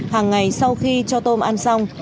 hàng ngày sau khi cho tôm ăn xong